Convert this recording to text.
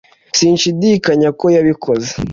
sinshidikanya ko yabikoze